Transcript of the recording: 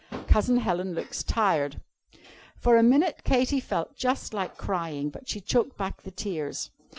Cousin Helen looks tired." For a minute, Katy felt just like crying. But she choked back the tears.